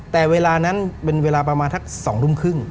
แต่เวลานั้นเป็นเวลาประมาณทัก๒ทุ่มครึ่ง